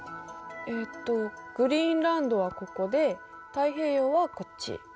えっとグリーンランドはここで太平洋はこっち。